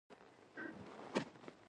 د سړک خنډونو ته پام د ژوند ساتنه ده.